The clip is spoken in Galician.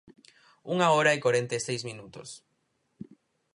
Unha hora e corenta e seis minutos.